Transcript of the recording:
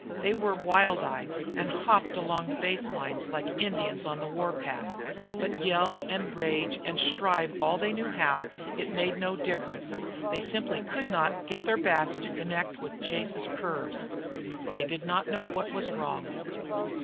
They were wild eyed, and hopped along the baselines like Indians on the war path. But yell and rage and strive all they knew how, it made no difference. They simply could not get their bats to connect with Chase's curves. They did not know what was wrong.